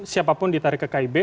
siapapun ditarik ke kib